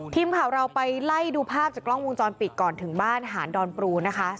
ทีมข่าวเราไปไล่ดูภาพจากกล้องวงจรปิดก่อนถึงบ้านหานดอนปรูนะคะ